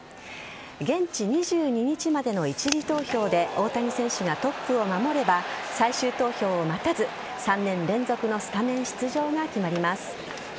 現地２２日までの１次投票で大谷選手がトップを守れば最終投票を待たず、３年連続のスタメン出場が決まります。